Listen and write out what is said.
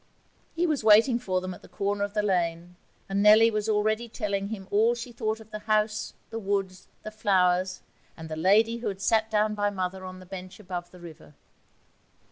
He was waiting for them at the corner of the lane, and Nellie was already telling him all she thought of the house, the woods, the flowers, and the lady who had sat down by Mother on the bench above the river.